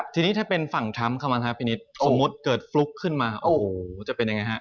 ทีนี้ถ้าเป็นฝั่งทั้งของมันครับพินิศสมมติเกิดฟลุกขึ้นมาจะเป็นยังไงครับ